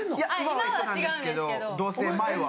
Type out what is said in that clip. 今は一緒なんですけど同棲前は。